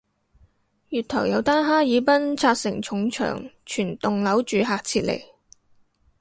月頭有單哈爾濱拆承重牆全棟樓住客撤離